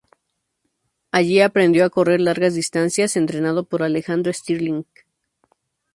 Allí aprendió a correr largas distancias, entrenado por Alejandro Stirling.